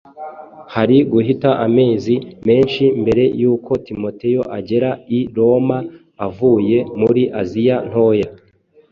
hari guhita amezi menshi mbere y’uko Timoteyo agera i Roma avuye muri Aziya Ntoya.